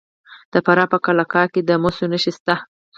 د فراه په قلعه کاه کې د مسو نښې شته.